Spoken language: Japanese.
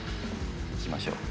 しましょう。